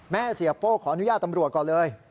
เสียโป้ขออนุญาตตำรวจก่อนเลย